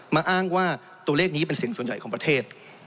อ้างว่าตัวเลขนี้เป็นสิ่งส่วนใหญ่ของประเทศ